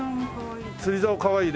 釣りざおもかわいい。